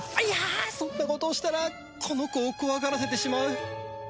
いやそんなことをしたらこの子を怖がらせてしまう